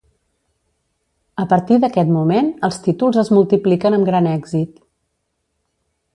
A partir d'aquest moment, els títols es multipliquen amb gran èxit.